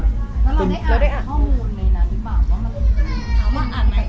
แล้วเราได้อ่านข้อมูลในนั้นหรือเปล่าว่าอ่านไหม